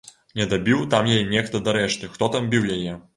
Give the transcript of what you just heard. Не дабіў там яе нехта дарэшты, хто там біў яе!